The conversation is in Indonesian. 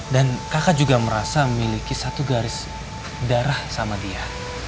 dan kakak juga merasa memiliki satu garis darah sama dia